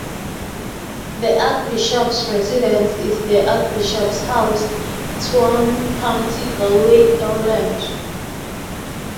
The archbishop's residence is the Archbishop's House, Tuam, County Galway, Ireland.